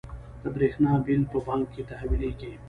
د بریښنا بیل په بانک تحویلیږي؟